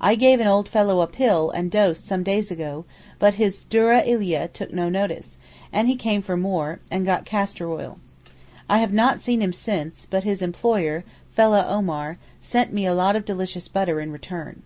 I gave an old fellow a pill and dose some days ago, but his dura ilia took no notice, and he came for more, and got castor oil. I have not seen him since, but his employer, fellah Omar, sent me a lot of delicious butter in return.